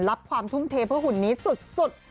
รับความทุ่มเทเพื่อหุ่นนี้สุด